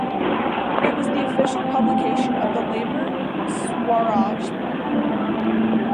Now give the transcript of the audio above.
It was the official publication of the Labour Swaraj Party.